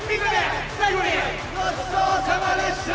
ごちそうさまでした。